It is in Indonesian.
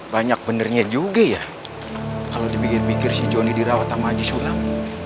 banyak benernya juga ya kalau dibikir bikir si jonny dirawat sama jisulam